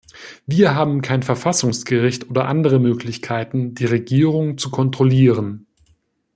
Wir haben kein Verfassungsgericht oder andere Möglichkeiten, die Regierung zu kontrollieren.